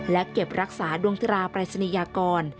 และเก็บรักษาดวงตราปรายศนียากร